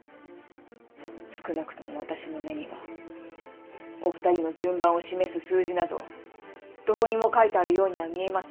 少なくとも私の目にはお２人の順番を示す数字などどこにも書いてあるようには見えません。